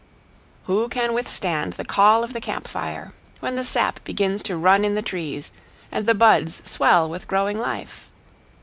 Who can withstand the call of the camp fire, when the sap begins to run in the trees, and the buds swell with growing life?